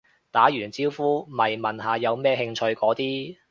打完招呼咪問下有咩興趣嗰啲